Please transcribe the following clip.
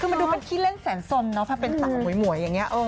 มันดูเป็นขี้เล่นแชนสมถ้าเป็นสาวหมวยอย่างนี้